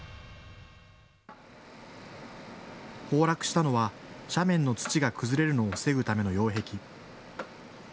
崩落したのは斜面の土が崩れるのを防ぐための擁壁。